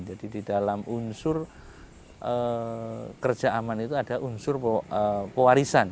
jadi di dalam unsur kerja aman itu ada unsur pewarisan